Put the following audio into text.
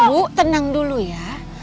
ibu tenang dulu ya